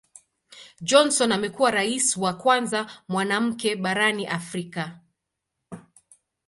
Johnson amekuwa Rais wa kwanza mwanamke barani Afrika.